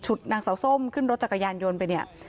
นางสาวส้มขึ้นรถจักรยานยนต์ไปเนี่ย